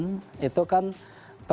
persiapkan untuk diangkut